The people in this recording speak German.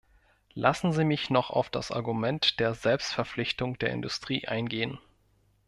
Lassen Sie mich noch auf das Argument der Selbstverpflichtung der Industrie eingehen.